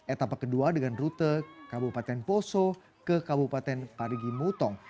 etapa kedua dengan rute kabupaten poso ke kabupaten parigi mutong